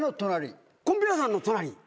こんぴらさんの隣。